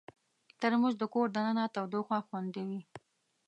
ترموز د کور دننه تودوخه خوندوي.